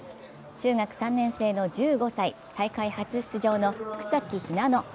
中学３年生の１５歳、大会初出場の草木ひなの。